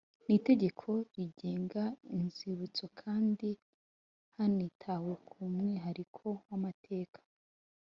N itegeko rigenga inzibutso kandi hanitawe ku mwihariko w amateka